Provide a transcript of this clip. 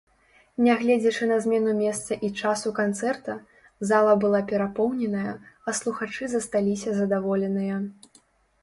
Нягледзячы на змену месца і часу канцэрта, зала была перапоўненая, а слухачы засталіся задаволеныя.